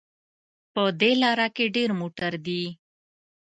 په دې لاره کې ډېر موټر دي